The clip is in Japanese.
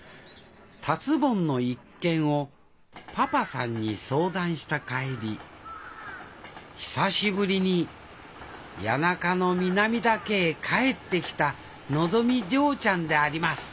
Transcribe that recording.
達ぼんの一件をパパさんに相談した帰り久しぶりに谷中の南田家へ帰ってきたのぞみ嬢ちゃんであります